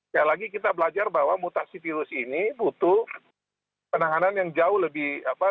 sekali lagi kita belajar bahwa mutasi virus ini butuh penanganan yang jauh lebih